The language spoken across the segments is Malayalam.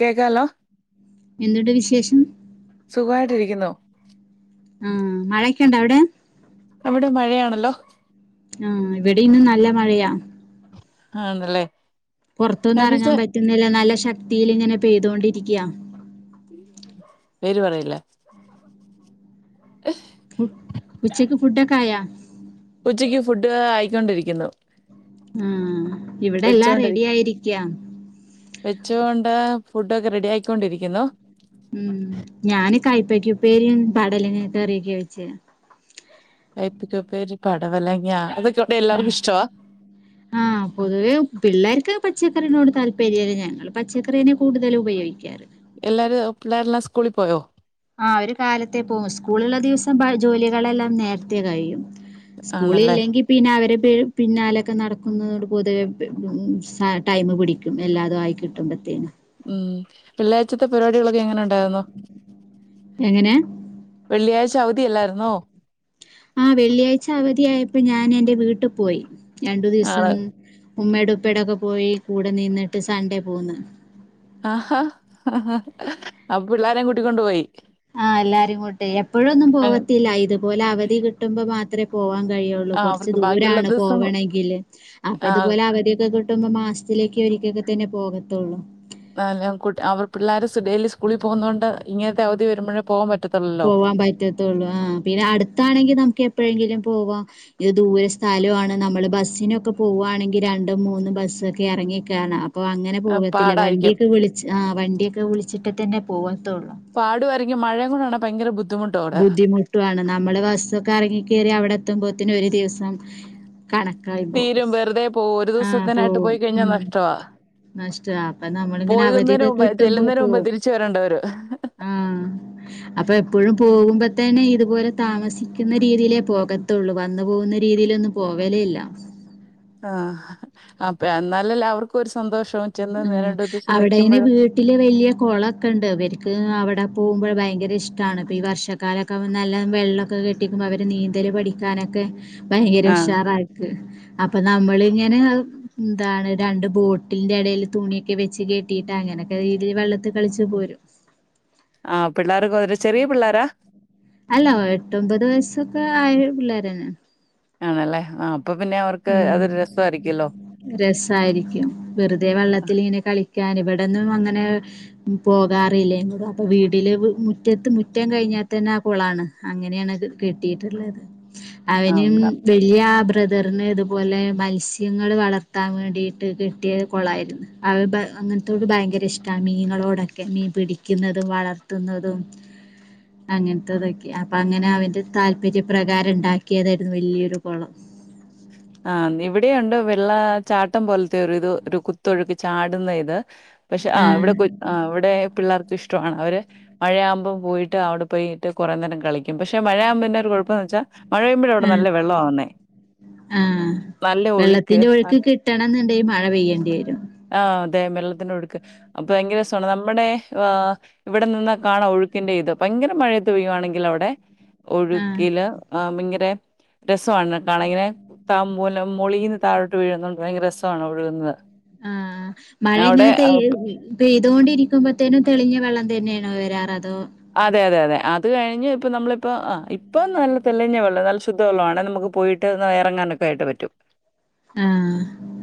കേക്കാലോ എന്തുണ്ട് വിശേഷം സുഖമായിട്ടിരിക്കുന്നു ആ മഴ ഒക്കെ ഉണ്ടാ അവിടെ അവിടെ മഴയാണല്ലോ ആഹ് ഇവിടെയും ഇന്ന് നല്ല മഴയാ ആണല്ലേ പുറത്തൊന്നും നഫീസ് ഇറങ്ങാൻ പറ്റുന്നില്ല നല്ല ശക്തിൽ ഇങ്ങനെ പെയ്തൊണ്ടിരിക്കയാ പേര് പറയില്ല ഫു ഉച്ചക്ക് ഫുഡൊക്കെ ആയാ ഉച്ചയ്ക്ക് ഫുഡ് ആയിക്കൊണ്ടിരിക്കുന്നു ആഹ് ഇവിടെ എല്ലാം റെഡി ആയിരിക്കാ വെച്ചൊണ്ട് ഫുഡൊക്കെ റെഡി ആക്കൊണ്ടിരിക്കുന്നു ഉം ഞാന് കായ്പക്കാ ഉപ്പേരി പടലിങ്ങ കറിയൊക്കെ വെച്ച ഒക്കെ ഒരു പടവലങ്ങാ അതൊ ആ ആഹ് പൊതുവേ പിള്ളേർക്ക് പറ്റ പച്ചക്കറിനോട് താല്പര്യമില്ല ഞങ്ങങ്ങള് പച്ചക്കറി തന്നെ കൂടുതലും ഉപയോഗിക്കാറ് എല്ലാരും പിള്ളേരെല്ലാം സ്കൂളിൽ പോയോ ആ അവര് കാലത്തെ പോകും സ്കൂളൾ ഉള്ള ദിവസം ജോലികളെല്ലാം നേരത്തെ കഴിയും സ്കൂളൾ ആണല്ലേ ഇല്ലെങ്കിൽ പിന്നെ അവരെ പി പിന്നാലൊക്കെ നടക്കുന്നതോട് പൊതുവെ ടൈമ് പിടിക്കും എല്ലാതും ആയി കിട്ടുമ്പോഴത്തേന് ഉം വെള്ളിയാഴ്ചത്തെ പരിപാടികളൊക്കെ എങ്ങനെ ഉണ്ടായിരുന്നോ എങ്ങനെ വെള്ളിയാഴ്ച അവധിയല്ലായിരുന്നോ ആ വെള്ളിയാഴ്ച അവധിയായപ്പോ ഞാൻ എൻറെ വീട്ടു പോയി രണ്ടു ദിവസം ആണ് ഉം ഉമ്മടെ ഉപ്പേടൊക്കെ പോയി കൂടെ നിന്നിട്ട് സൺഡേ പോന്ന് ആ അഹ് പിള്ളാരും കൂട്ടിക്കൊണ്ടു പോയി ആഹ് എല്ലാരുംങ്ങൂട്ടെ എപ്പോഴൊന്നും അങ്ങ- പോവത്തില്ല ഇതുപോലെ അവധി കിട്ടുമ്പോ മാത്രേ പോവാൻ കഴിയുള്ളൂ ആ കുറച്ച് അവർക്ക് ബാക്കിയുള്ള ദൂരാണ് ദിവസം പോവണമെങ്കിൽ അപ്പം ആ ഇതുപോലെ അവധിയൊക്കെ കിട്ടുമ്പോ മാസ ത്തിലേക്ക് ഒരിക്കൊക്കെ തന്നെ പോകത്തുള്ളൂ നല്ല അവർ പിള്ളേർ ഡെയിലി സ്കൂളിൽ പോകുന്ന കൊണ്ട് ഇങ്ങനത്തെ അവധി വരുമ്പോഴേ പോകാൻ പറ്റ പോവാൻ പറ്റത്തുള്ളൂ ആഹ് പിന്നെ അടുത്താണെങ്കിൽ നമുക്ക് എപ്പോഴെങ്കിലും പോവാം ഇത് ദൂര സ്ഥലണ് നമ്മള് ബസ്സിനൊക്കെ പോവാണെങ്കിൽ രണ്ടും മൂന്നു ബസ് ഒക്കെ ഇറങ്ങി കേറണം അപ്പൊ അങ്ങനെ ആ, പോവത്തില്ല പാടായിരിക്കും വണ്ടിയൊക്കെ വിളിച്ച് ആഹ് വണ്ടിയൊക്കെ വിളിച്ചിട്ടേ തന്നെ പോവത്തുള്ളു ടങ്ങി മഴയങ്ങനെ ബുദ്ധിമുട്ടുമാണ് നമ്മള് ബസ് ഒക്കെ ഇറങ്ങി കയറി അവിടെ എത്തുമ്പോത്തന് ഒരു ദിവസം കണക്കായി പോവും തീരും വെറുതെ പോകും ഒരു ആഹ് ദിവസത്തിനായിട്ട് പോവും പോയി കഴിഞ്ഞാൽ ഉം നഷ്ടമാ നഷ്ടാ അപ്പൊ നമ്മളിങ്ങനെ പോകുന്നതിന് അവധിയെക്കൊ മുമ്പ് കിട്ടുമ്പോ ചെല്ലുന്നതിന് മുമ്പ് പോവും തിരിച്ചു വരേണ്ടവര് ആഹ് അപ്പൊ എപ്പോഴും പോ പോകുമ്പോത്തന്നെ ഇതുപോലെ താമസിക്കുന്ന രീതിയിലേ പോകത്തുള്ളൂ വന്നു പോകുന്ന രീതിയിലൊന്നും പോകലേ ഇല്ല ആഹ് അപ്പ എന്നാലല്ലേ അവർക്കും ഒരു സന്തോഷം ഉം അവിടെ ഇനി വീട്ടില് വലിയ കുളൊക്കെ ഉണ്ട് അവർക്ക് അവിടെ പോകുമ്പോൾ ഭയങ്കര ഇഷ്ടമാണ് ഇപ്പോൾ ഈ വർഷക്കാലമൊക്കെ നല്ല വെള്ളമൊക്കെ കെട്ടി നിക്കുമ്പോൾ അവർ നീന്തല് പഠിക്കാനൊക്കെ ഭയങ്കര ആ ഉഷാറായിക്ക് അപ്പൊ നമ്മൾ ഇങ്ങനെ എന്താണ് രണ്ട് ബോട്ടിന്റെ ഇടയിൽ തുണിയൊക്കെ വെച്ച് കെട്ടിട്ട് അങ്ങനൊക്കെ രീതിൽ വെള്ളത്തി കളിച്ച് പോരും ആ പിള്ളേർക്ക് ഒരു ചെറിയ പിള്ളേരാ അല്ല എട്ടൊമ്പത് വയസ്സൊക്കെ ആയ പിള്ളേര് തന്നെ ആണല്ലേ ആഹ് അവർക്ക് അത് ഒരു ഉം രസമായിയിക്കുമല്ലോ രസായിരിക്കും വെറുതെ വെള്ളത്തിങ്ങനെ കളിക്കാൻ ഇവി ടെന്ന് വന്നനെ പോകാറില്ലന്ന് അപ്പ വീട്ടില് മു മുറ്റത്ത് മുറ്റം കഴിഞ്ഞാൽ തന്ന കുളാണ് അങ്ങനെയാണത് കിട്ടിട്ടുള്ളത് അവന് ആ വേലിയ ബ്രാദ തന്നെ ഇതുപോലെ മത്സ്യങ്ങൾ വളർത്താൻ വേണ്ടിയിട്ട് കിട്ടിയിരുന്ന് കുളാരുന്നു അത് അങ്ങനെ ത ത്തോട് ബായിങ്കര ഇഷ്ടാ മീൻങ്ങളോടൊക്കെ മീൻ പിടിക്കുന്നതും വളർത്തുന്നതും അങ്ങനത്തതൊക്കെ അപ്പ അങ്ങനെ അവന്റെ താല്പര്യപ്രകാരം ഉണ്ടാക്കിയതായിരുന്നു വലിയൊരു കുളം ആ ഇവിടെയാണ്ട് വെള്ള ചാട്ടം പോലത്തെ ഒരു ഇത് ഒരു കുത്തൊഴുക്ക് ചാടുന്നേ ഇത് പക്ഷെ ആ ഇവിടെ ആഹ് കൊ ആ ഇവിടെ പിള്ളേർക്ക് ഇഷ് ഷ്ട്ടാണ് അവര് മഴയാവുബോ പോയിട്ട് അവിടെ പോയിട്ട് കുറെനേരം കളിക്കും പക്ഷെ മഴയാമ്പോ എന്താ ഒരു കുഴപ്പം എന്ന് വെച്ചാൽ മഴപെയ്യുമ്പോഴാ അവിടെ നല്ല വെള്ളം ആവുന്നേ ആ വെള്ളത്തിന്റെ ഒഴുക്ക് കിട്ടണം എന്നുണ്ടെൽ മഴ പെയ്യേണ്ടി വരും ആ അതെ വെള്ളത്തിന് ഒഴുക്ക് അപ്പൊ ഭയങ്കര രസാണ് നമ്മടെ ആ ഇവിടെ നിന്ന കാണം ഒഴുക്കിന്റെ ഇത് ബയിങ്കര മഴയേത് പെയ്യുയാണെങ്കിൽ അവിടെ ആഹ് ഒഴുക്കില്ല് ബയിങ്കര രസമാണ് കാണേങ്ങനെ താമ്പൂലം മൊളീന്ന് താഴോട്ട് വീഴുന്നുണ്ട് ഭയങ്കര രസണ് ഒഴുകുന്നത് ആ മഴ അവിടെ ഇങ്ങനെ തെയ്യ അപ് പെയ്തുകൊണ്ടിരിക്കുമ്പോത്തേനും തെളിഞ്ഞ വെള്ളം തന്നെ നോ വരാറതോ അതെ അതെ അതെ അത് കഴിഞ്ഞ് ഇപ്പ നമ്മളിപ്പ ആ ഇപ്പ നല്ല തെളിഞ്ഞവെള്ളം നല്ല ശുദ്ധ വെള്ളണ് നമുക്ക് പോയിട്ട് ഒന്ന് ഇറങ്ങാനൊക്കെ ആയിട്ട് പറ്റും ആഹ്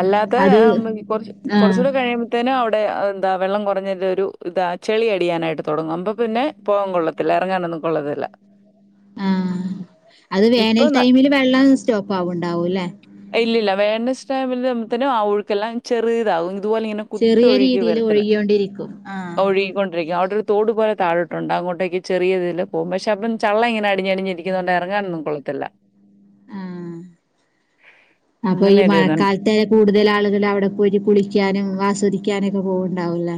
അല്ലാത്ത അത് കൊറച്ച് ആഹ് കൊറച്ചൂടെ കഴിയുമ്പോത്തേനും അവിടെ എന്താ വെള്ളം കുറഞ്ഞൊരു ഒരു ഇതാ ചെളി അടിയാനായിട്ട് തുടങ്ങും അബം പിന്നെ പോവാൻ കൊള്ളത്തില്ല ഇറങ്ങാനൊന്നും കൊള്ളതില്ല ആ അത് വേനൽ ടൈമില് വെള്ളം സ്റ്റോപ്പ് ആവുണ്ടാവൂലെ ഇല്ലല്ല [unintelligible] ടൈമില് ഇതന്ന ആ ഉഴുക്കെല്ലാം ചെറിയ ഇതാവും അതുപോലെ ഇങ്ങനെ കുത്ത് ചെറിയ ഒഴുക്കി രീതിയിൽ വരത്തില്ല ഒഴുകിയോണ്ടിരിക്കും ആഹ് ഒഴുകിക്കൊണ്ടിരിക്കും അവിടെ തോടുപോലൊതായോട്ടുണ്ട് അവിടൊകേ ചെറിയതിലുപോവും പഷേ ചള്ളം ഇങ്ങന അടിഞ്ഞാടി ഞ്ഞാടിനിരിക്കുന്നുണ്ട് ഇറങ്ങാനൊന്നും കൊള്ളത്തില്ല ഇല്ല ആ അപ്പൊ ഈ അങ്ങനെ ഒരു ഇതുണ്ട്. മഴക്കാലത്തെകൂടുതല്ല് ആളുകൾ അവിടെ പോയിട്ട് കുളിക്കാനും ആസ്വദി ക്കാനൊക്കെ പോവുണ്ടാവൂല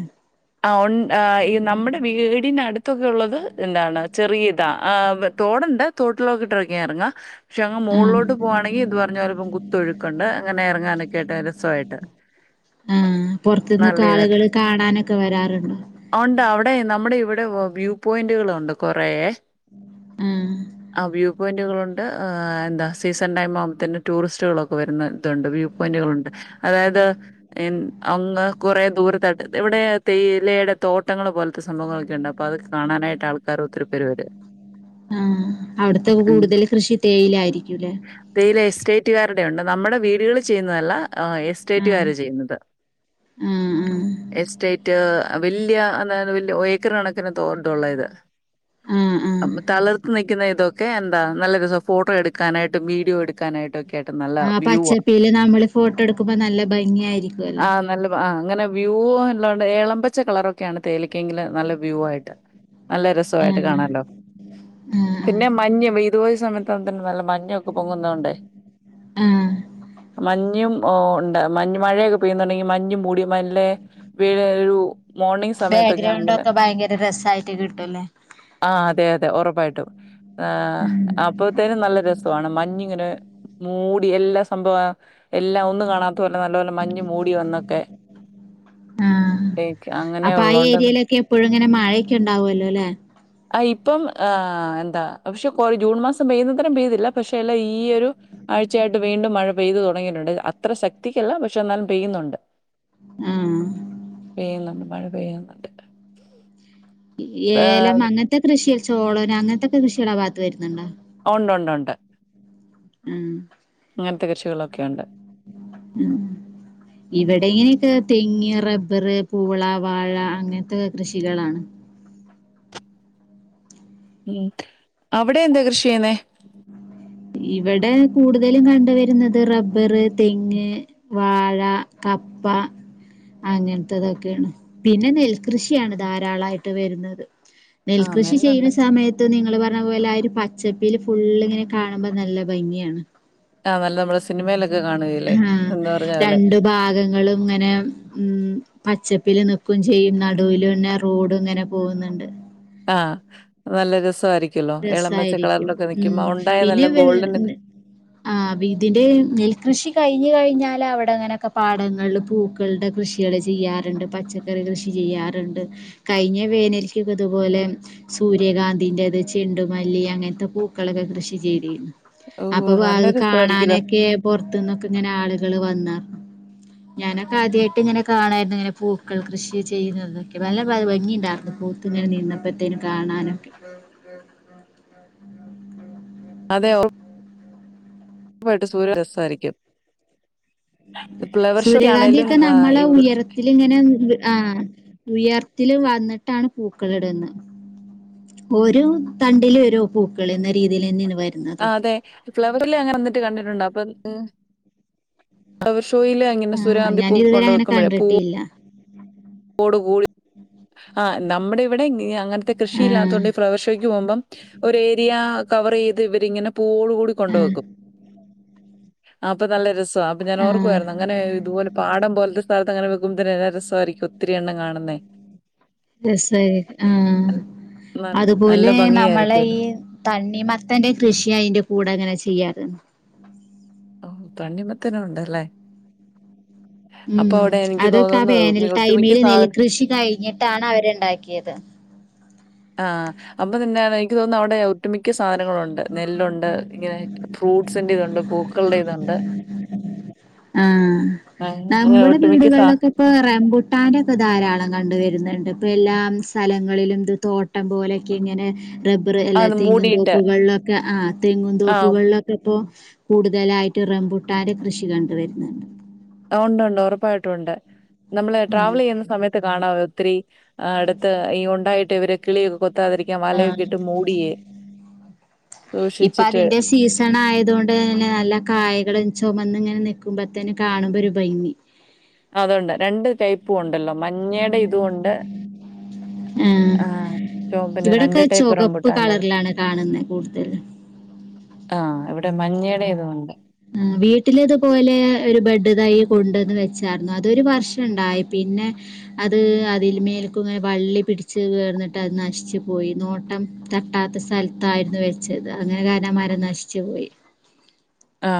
ആ ഓ ആ ഈ നമ്മുടെ വീടിനടുത്ത് ത്തൊക്കെ ഉള്ളത് എന്താണ് ചെറിയ ഇതാ ആ തോടുണ്ട് തോട്ടിലോക്കിട്ട് ഇറങ്ങാ ക്ഷെ ആ ആഹ് മോളിലോട്ട് പോവാണെങ്കിൽ ഇത് പറഞ്ഞപോലെ പൊൺകുട്ടികൾക്കുണ്ട് അങ്ങനെ ഇറങ്ങാനൊ കേട്ടാ രസയിട്ട് ആ പോറത്തിന്നക്കെ ആളുകള് കാണാനൊക് ആഹ് ഉണ്ട് അവിടെ നമ്മുടെ ഇവിടെ വ്യൂ പോയിന്റുകളുണ്ട് കുറേ ആഹ് ആ വ്യൂ പോയിന്റുകളുണ്ട് എന്താ സീസൺ ടൈം ആകുമ്പൾ തന്നെ [unintelligible] വരുന്ന ഇതുണ്ട് വ്യൂ പോയിന്റുകളുണ്ട് അതായത് അങ്ങ് കൊറേ ദൂരത്തട്ട് ഇവിടെ തേയിലടെ തോട്ടങ്ങൾ പോലത്തെ സംഭവങ്ങളൊക്കെണ്ട് അപ്പൊ അത് കാണാനായിട്ട് ആൾക്കാർ ഒത്തിരി പേര് വര് ആ അവിടത്തെ കൂടുതൽ കൃഷി തേയിലായിരിക്കൂല്ലേ നമ്മടെ വീടുകൾ ചെയ്യുന്നതല്ല ആഹ് എസ്റ്റേറ്റുകാര് ചെയ്യുന്നതാ ആഹ് ആഹ് എസ്റ്റേറ്റ് വലിയ അന്താ വലിയ ഏക്കർ കണക്കിന് തോ ഇത് ഉം ഉം തളർത്ത് നിൽക്കുന്ന ഇതൊക്കെ എന്താ നല്ല രസം ഫോട്ടോ എടുക്കാനായിട്ടും വീഡിയോ എടുക്കാനായിട്ടുക്കെ കേട്ട് നല്ല ആഹ് വ്യൂ പച്ചപ്പില് നമ്മള് ഫോട്ടോ എടുക്കുമ്പോ നല്ല ഭംഗിയായിരിക്കുവല്ലോ? ആ നല്ല ആ അങ്ങനെ വ്യൂ എല്ലണ്ട് ഏളമ്പച്ച കളറൊക്കെയാണ് തേലക്കെങ്കില് നല്ല വ്യൂ ആയിട്ട് നല്ല രസവായിട്ട് ആഹ് കാണല്ലോ ആഹ് ആഹ് പിന്നെ മഞ്ഞ് ഇതുപോലെ സമയത്തനെ നല്ല മഴ എന്റെക്കേ പോങ്ങുന്നോണ്ടേ ആഹ് മഞ്ഞു ഓ ഉണ്ട് മഞ്ഞ്മഴൊയ്യുകേപോഴുന്നു [unintelligible] മഞ്ഞും മൂടി മല്ലെ വീ ഒരു മോർണിങ് സമയത്തൊക്കെ ആണെങ്കില്ല് വീട്ടല്ലേ ആ അതെ അതെ ഉറപ്പായിട്ടും ആ അപ്പത്തേനും നല്ല രസമാണ് മഞ്ഞ് ങ്ങനെ മൂടി എല്ലാ സംഭവ എല്ലാം ഒന്ന് കാണാത്ത പോലെ നല്ലപോലെ മഞ്ഞ് മൂടി വന്നൊക്കെ ആഹ് ഏക്ക അപ്പൊ ആ ഏരിയയിലൊക്കെ എപ്പഴുങ്ങനെ മഴെക്കെ ഉണ്ടാവുല്ലോ ലേ. പ്പം എന്താ പക്ഷെ കുറെ ജൂൺ മാസം പെയ്യുന്നത്തരം പെയ്തില്ല പക്ഷെ അല്ല ഈ ഒരു ആഴ്ചയ യിട്ട് വീണ്ടും മഴ പെയ്തു തുടങ്ങിയിട്ടുണ്ട് അത്ര ശക്തിക്കല്ല പക്ഷെ എന്നാലും പെയ്യുന്നുണ്ട്. ആഹ് പെയ്യുന്നുണ്ട് മഴ പെയ്യുന്നുണ്ട്. ഏലം ഏഹ് അങ്ങനത്തെ കൃഷിള് ചോളന് അങ്ങനത്തൊക്കെ കൃഷിള് ആഭാഗത്ത് വരുന്നുണ്ടോ. ഒണ്ടൊണ്ടോണ്ട്. ഉം അങ്ങനത്തെ കൃഷിയെലൊക്കെണ്ട്. ഉം ഇവിടെ ഇങ്ങനെയൊക്കെ തെങ്ങ്, റബ്ബർ, പൂള, വാഴ, അങ്ങനത്തെ കൃഷികളാണ്. ഉം അവിടെ എന്താ കൃഷി ചെയ്യുന്നേ? ഇവടെ കൂടുതലും കണ്ട് വരുന്നത് റബ്ബർ തെങ്ങ് വാഴ കപ്പ അങ്ങനത്തെതൊക്കെയാണ് പിന്നെ നെൽകൃഷിയാണ് ധാരാളായിട്ട് വരുന്നത്. ആ നെൽകൃഷി ചെയ്യ്ണ നെല്ലുണ്ട് സമയത്ത് നിങ്ങള് പറഞ്ഞ പോലെ ആ ഒരു പച്ചപ്പില് ഫുള്ള്ങ്ങനെ കാണുമ്പോ നല്ല ഭംഗിയാണ്. ആ നല്ല നമ്മുടെ സിനിമയിലൊക്കെ കാണുകയില്ലേ ഹാ എന്ന് പറഞ്ഞ പോലെ രണ്ടുഭാഗങ്ങളും ഇങ്ങനെ ഉം പച്ചപ്പില് നിക്കും ചെയ്യും നടുവിലന്നെ റോഡ്ങ്ങനെ പോവുന്ന്ണ്ട്. ആഹ് നല്ല രസോയിരി ക്ക് യൊല്ലോ. എളമ്പച്ച രസായിരിക്കും. കളറിലൊക്കെ നിക്കുമ്പോ ഉം. അവ്ണ്ടായാ നല്ല പിന്നെ വേ ഗോൾഡൻ്റ്ൻ്റെ ആഹ് ബീതിൻ്റെ നെൽകൃഷി കഴിഞ് കിഴിഞ്ഞാ ലവടെങ്ങനൊക്കെ പാടങ്ങൾല് പൂക്കൾടെ കൃഷിയേള് ചിയ്യാറ്ണ്ട് പച്ചക്കറി കൃഷി ചിയ്യാറ്ണ്ട്. കയ്ഞ്ഞ വേനൽക്കൊക്കെത്പോലെ സൂര്യകാന്തിന്റേത് ചെ യെണ്ടുമല്ലി, അങ്ങനത്തെ പൂക്കളൊക്കെ കൃഷി ചെയ്തീന്നു. ഓ അപ്പൊപ്പ നല്ല അത് രസമായിരിക്കുമല്ലോ കാണാനൊക്കെ പൊറത്തുന്നൊക്കെങ്ങനെ ആളുകള് വന്നാർന്നു. ഞാനൊക്കെ ആദ്യയിട്ട്ങ്ങനെ കാണായിരുന്നു ഇങ്ങനെ പൂക്കൾ കൃഷി ചെയ്യുന്നതൊക്കെ നല്ല ഭം ഭംഗിണ്ടാർന്നു. പൂ പൂത്തുങ്ങനെ നിന്നപ്പത്തേനും കാണാനൊക്കെ. അതെയോ [inaudible] സൂര്യ രസായിരിക്കും. സൂര്യകാന്തി ഒക്കെ നമ്മളെ ഇവ- ഉയരത്തിൽ ഇങ്ങനെ ആ ഉയർത്തില് വന്നിട്ടാണ് പൂക്കളിടുന്നേ ഓരു തണ്ടില് ഒര് പൂക്കളെന്ന രീതിയിലെന്നെണ് ആ അതെ ഫ്ലവർല് അങ്ങനെ നിന്നിട്ട് കണ്ടിട്ടുണ്ടോ അപ്പൊ [unintelligible] ടുവീലെ ഇങ്ങനെ ആഹ് സുര്യകാന്തി ഞാനിതുവരെ പൂക്കൊണ്ട് അങ്ങനെ വിക്കുമ്പഴേ പൂ കണ്ടിട്ടില്ല. പൂവോടെ കൂടി ആഹ് നമ്മടെ ഇവിടെ ഇന അങ്ങനത്തെ ആഹ് കൃഷിയില്ലാത്തോണ്ട് ഈ ഫ്‌ളവർഷോ പോകുമ്പം ഒരു ഏരിയാ കവർ ചെയ്ത് ഇവരിങ്ങനെ പൂവോള് കൂടി കൊണ്ട് ആഹ് വെക്കും. അപ്പൊ നല്ല രസാ അപ്പൊ ഞാൻ ആഹ് ഓർക്കുവായിരുന്നു അങ്ങനെ ഇതുപോലെ പാടം പോലത്തെ സ്ഥലത് അതങ്ങനെ വെക്കുമ്പോ തന്നെ രസായിരിക്കും ഒത്തിരി എണ്ണം കാണുന്നേ. രസവായിരിക്കും ആഹ് നൽ നൽ നല്ല അതുപോലെ നമ്മളെ ഭംഗിയായിരിക്കുവല്ലോ. ഈ തണ്ണി മത്തന്റെ കൃഷിയയിന്റെ കൂടെ അങ്ങനെ ചെയ്യാ [inaudible] തണ്ണിമത്തനും ഒണ്ടല്ലേ. ഉം അതൊക്കെ ആ വേനൽ മി ഒട്ടുമിക്ക ടൈമില് സാധനം നെൽകൃഷി കഴിഞ്ഞിട്ടാണ് അവരുണ്ടാക്കിയത്. ആഹ് അപ്പൊ നിന്നെ എനിക്ക് തോന്നുന്നു അവിടെ ഒട്ടുമിക്ക മിക്ക സാധനങ്ങളുണ്ട് നെല്ലുണ്ട് ഇങ്ങനെ ഫ്രൂട്ട്സിന്റെയിതുണ്ട് പൂക്കളുടെയിതുണ്ട് ആ അങ്ങനെ നമ്മുടെ ഒട്ടുമിക്ക സാ വീടുകളിലൊക്കെ ഇപ്പൊ റംമ്പുട്ടാനൊക്കെ ധാരാളം കണ്ടുവരുന്നുണ്ട് ഇപ്പ എല്ലാം സ്ഥലങ്ങളിലും ഇത് തോട്ടം പോലെയൊക്കെ ഇങ്ങനെ റബ്ബർ ആ അല്ല തെങ്ങും തോ മൂടിയിട്ട് പ്പുകളിലൊക്കെ ആ ആ തെങ്ങുംന്തോപ്പുകളിലൊക്കെ ഇപ്പോ കൂടുതലായിട്ട് റംബുട്ടാന്റെ കൃഷി കണ്ടുവരുന്നുണ്ട് ഒണ്ടൊണ്ട് ഉറപ്പായിട്ടും ഒണ്ട് നമ്മള് ഉം ട്രാവല് ചെയ്യുന്ന സമയത്ത് കാണാം ഒത്തിരി അടുത്ത് ഈ ഉണ്ടായിട്ട് ഇവരെ കിളിയൊക്കെ കൊ കൊത്താതിരിക്കാൻ വലയൊക്കെ ഇട്ട് മൂടിയേ ഇപ്പൊ സൂക്ഷിച്ചിട്ട് അതിന്റെ സീസൺ ആയത് കൊണ്ട് തന്നെ നല്ല കായകൾ ചുമന്ന് നിൽക്കുമ്പോത്തന്നെ കാണുമ്പോ ഒരു ഭംഗി അതൊണ്ട് രണ്ട് ടൈപ്പും ഉണ്ടല്ലോ മഞ്ഞയുടെ ഇതുണ്ട് ആഹ് ആ ഇവിടൊക്കെ ചുകപ്പ് കളറിലാണ് കാണുന്നത് കൂടുതൽ ആ ഇവിടെ മഞ്ഞേടെ ഇതും ഉണ്ട് ആ വീട്ടില് ഇതുപോലെ ഒരു ബഡ് തൈ കൊണ്ടുവന്ന് വെച്ചായിരുന്നു അതൊരു വർഷം ഉണ്ടായി പിന്നെ അത് അതിൽ മേൽക്കുംങ്ങനെ വള്ളി പിടിച്ച് കിടന്നിട്ട് അത് നശിച്ചു പോയി നോട്ടം തട്ട വല്ലാത്ത സ്ഥലത്തായിരുന്നു വെച്ചത് അങ്ങനെ കാരണം മരം നശിച്ചു പോയി ആ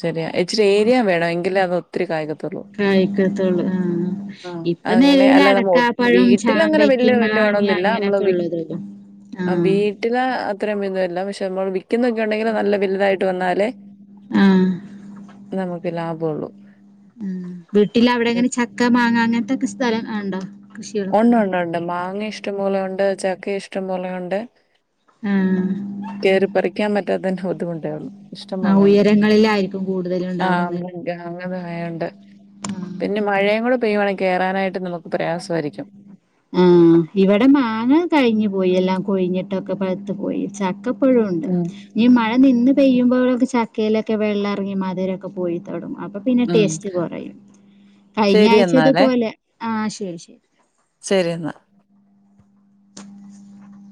ശരിയാ ഇച്ചിരി ഏരിയ വേണം എങ്കിലേ അത് ഒത്തിരി കായിക്ക കായിക്കത്തൊള്ള് ആ ആഹ് ഇപ്പ അങ്ങനെ നിലവില് അല്ലാതെ നമ്മ ഒത് അടക്കാപ്പഴം വീട്ടിലങ്ങനെ വലിയ ചാമ്പക്കയും വലിയ മാങ്ങയും വടൊന്നുമില്ല. നമ്മള് അങ്ങനയൊക്കെ വി ഉള്ളൂ ആ വീട്ടില് അത്രയും [unintelligible] പക്ഷെ നമ്മള് വിക്കുന്നൊക്കെണ്ടെങ്കില് നല്ല വലുതായിട്ട് വന്നാലെ ആ നമുക്ക് ലാ [unintelligible] ഉം വീട്ടിൽ അവിടെ അങ്ങനെ ചക്ക മാങ്ങ അങ്ങനത്തക്കെ സ്ഥലം ഉണ്ടോ കൃഷികളൊക്കെ ഉണ്ട് ഉണ്ടോ ഉണ്ട് ഉണ്ട് മാങ്ങ ഇഷ്ടംപോലെ ഉണ്ട് ചക്ക ഇഷ്ടംപോലെയുണ്ട് ആ കേറി പറിക്കാൻ പറ്റാത്തേന്റെ ബുദ്ധിമുട്ടേയുള്ളു ഇഷ്ടം ആ പോലെണ്ട് ഉയരങ്ങളിലായിരിക്കും കൂടുതൽ ആ ഉണ്ടാവുന്നല്ലേ [unintelligible] ആയുണ്ട് പിന്നെ മഴയും കൂടെ പെയ്യുവാണെങ്കിൽ കേയറാനായിട്ട് നമുക്ക് പ്രയാസായിരിക്കും ആ ഇവിടെ മാങ്ങ കഴിഞ്ഞു പോയി എല്ലാം കൊഴിഞ്ഞിട്ടൊക്കെ പഴുത്തു പോയി ച ഇപ്പോഴുണ്ട് ഉം ഈ മഴ മഴ നിന്ന് പെയ്യുമ്പോഴൊക്കെ ചക്കയിലൊക്കെ വെള്ളറങ്ങി മതിരൊക്കെ പോയി തുടങ്ങും പിന്നെ ഉം ടേസ്റ്റ് കുറയും കഴിഞ്ഞ ശരി ആഴ്ചത് പോലെ ആ ശരി ശരി ശരിയെന്നാ [unintelligible]